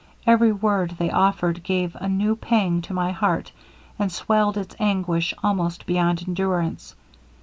every word they offered gave a new pang to my heart, and swelled its anguish almost beyond endurance.